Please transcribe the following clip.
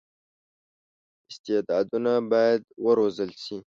استعدادونه باید وروزل شي.